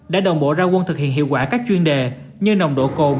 đã đồng bộ ra quân thực hiện hiệu quả các chuyên đề như nồng độ cồn